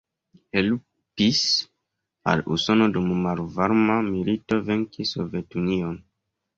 Helpis al Usono dum malvarma milito venki Sovetunion.